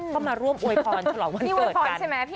ก็มาร่วมโอยพรเฉลาวันเกิดกัน